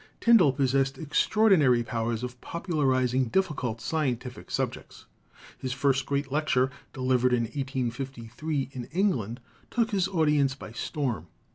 Tyndall pos sessed extraordinary powers of popularizing difficult scien tific subjects. His first great lecture, delivered in 1853 in England, took his audience by storm.